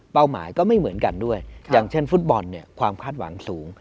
หมายก็ไม่เหมือนกันด้วยอย่างเช่นฟุตบอลเนี่ยความคาดหวังสูง